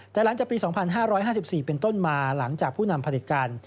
แต่หลังจากปี๒๕๕๔เป็นต้นมาหลังจากผู้นำผลิตการ